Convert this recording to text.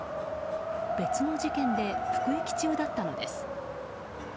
別の事件で服役中だったのです。